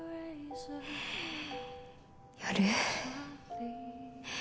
夜。